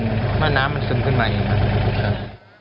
น้ำมันซึมขึ้นมาอีกนะครับ